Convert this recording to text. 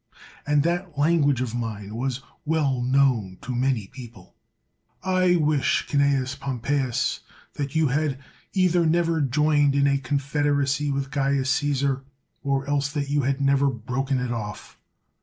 And that language of mine was well Imown to many people, — I wish, Cnseus Pompeius, that you had either never joined in a confederacy with Caius Caesar, or else that you had never broken it oflf.